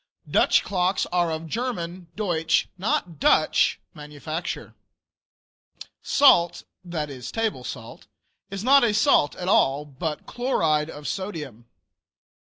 Dutch clocks are of German (Deutsch), not Dutch manufacture. Salt (that is table salt) is not a salt at all, but "chloride of sodium."